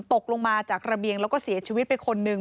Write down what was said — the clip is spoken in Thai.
ตกลงมาจากระเบียงแล้วก็เสียชีวิตไปคนนึง